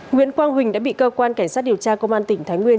nguyễn quang huỳnh đã bị cơ quan cảnh sát điều tra công an tỉnh thái nguyên